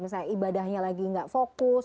misalnya ibadahnya lagi nggak fokus